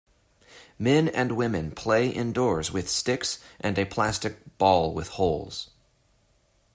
Men and women play indoors with sticks and a plastic ball with holes.